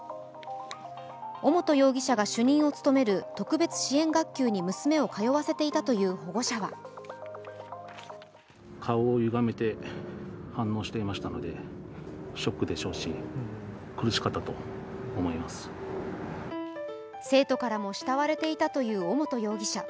尾本容疑者が主任を務める特別支援学級に娘を通わせていたという保護者は生徒からも慕われていたという尾本容疑者。